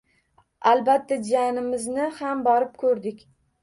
Albatta, jiyanimizni ham borib koʻrdik.